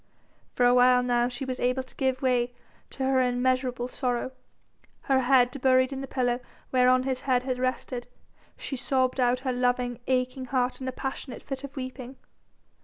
For a while now she was able to give way to her immeasurable sorrow. Her head buried in the pillow whereon his head had rested, she sobbed out her loving, aching heart in a passionate fit of weeping.